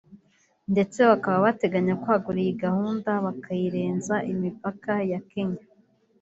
ndetse bakaba bateganya kwagura iyi gahunda bakayirenza imipaka ya Kenya